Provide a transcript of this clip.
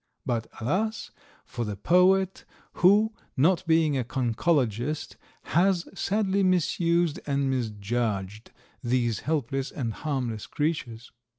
But, alas! for the poet, who, not being a conchologist, has sadly misused and misjudged these helpless and harmless creatures.